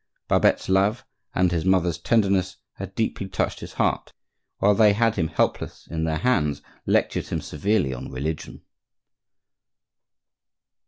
Babette's love and his mother's tenderness had deeply touched his heart; and they, while they had him helpless in their hands, lectured him severely on religion.